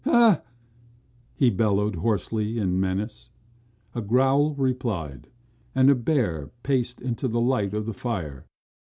"Hah!" he bellowed hoarsely in menace. A growl replied and a bear paced into the light of the fire.